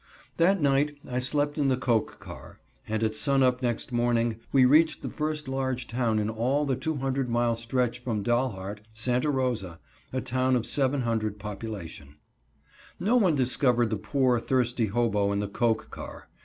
That night I slept in the coke car, and at sunup next morning we reached the first large town in all the 200 mile stretch from Dalhart Santa Rosa a town of 700 population. No one discovered the poor, thirsty hobo in the coke car.